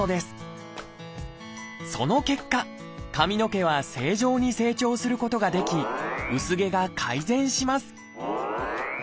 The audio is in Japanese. その結果髪の毛は正常に成長することができ薄毛が改善します。